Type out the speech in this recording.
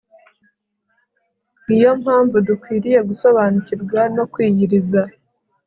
ni yo mpamvu dukwiriye gusobanukirwa no kwiyiriza